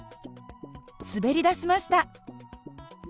滑りだしました。